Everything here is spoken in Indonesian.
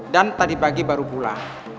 dan tadi pagi baru pulang